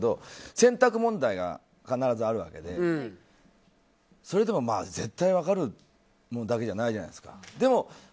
選択問題が必ずあるわけでそれでも絶対分かるのだけじゃないじゃないですか。